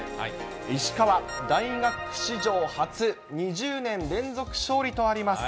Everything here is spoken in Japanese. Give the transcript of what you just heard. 石川、大学史上初、２０年連続勝利とあります。